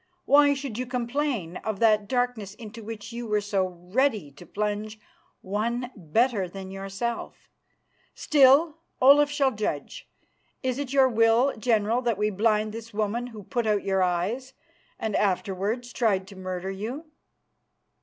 Why should you complain of that darkness into which you were so ready to plunge one better than yourself. Still, Olaf shall judge. Is it your will, General, that we blind this woman who put out your eyes and afterwards tried to murder you?"